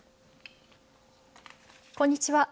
こんにちは。